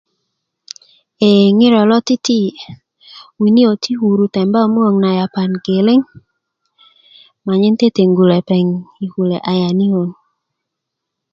ee ŋiro lo titiki' winikö ti kuru temba yi mukök na yapa geleŋ manyen teteŋgu lepeŋ yi kule' ayanikö